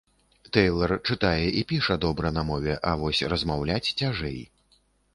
Тэйлар чытае і піша добра на мове, а вось размаўляць цяжэй.